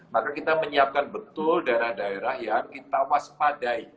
maka kita menyiapkan betul daerah daerah yang kita waspadai